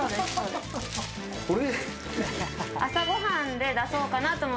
朝ごはんで出そうかなと思っ